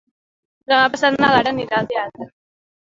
Demà passat na Lara anirà al teatre.